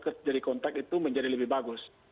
terjadi kontak itu menjadi lebih bagus